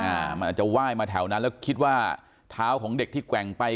อาจจะไหว้มาแถวนั้นแล้วคิดว่าเท้าของเด็กที่แกว่งไป